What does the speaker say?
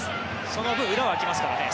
その分裏は空きますからね。